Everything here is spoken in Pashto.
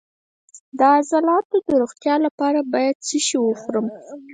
د عضلاتو د روغتیا لپاره باید څه شی وخورم؟